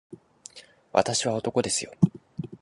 私は男ですよ